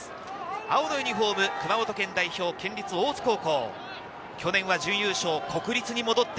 青のユニホーム、熊本県代表・県立大津高校。